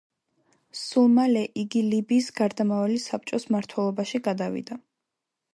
სულ მალე, იგი ლიბიის გარდამავალი საბჭოს მმართველობაში გადავიდა.